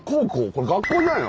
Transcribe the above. これ学校じゃないの？